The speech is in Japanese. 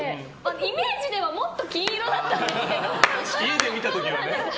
イメージではもっと金色だったんですけど家で見た時はね。